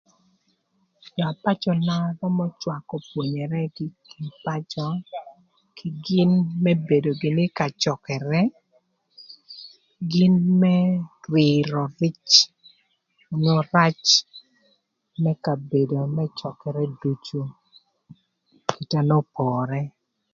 Jö na pacöna römö cwakö pwonyeregï kï ï kin pacö kï gïn më bedo gïnï ï ka cökërë gïn më twïrö rwïc onyo rac më kabedo më cökërë ducu kite n'opore.